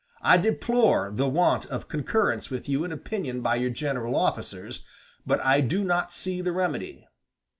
I deplore the want of concurrence with you in opinion by your general officers, but I do not see the remedy.